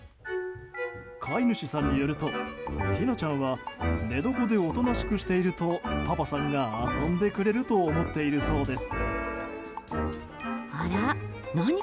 飼い主さんによるとひなちゃんは寝床でおとなしくしているとパパさんが遊んでくれると思っているそうです。